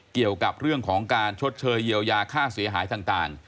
เกี่ยวกับเรื่องของการชดเชยเยียวยาค่าเสียหายต่าง